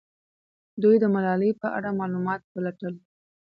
دوی د ملالۍ په اړه معلومات پلټل.